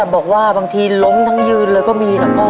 บอกว่าบางทีล้มทั้งยืนเลยก็มีนะพ่อ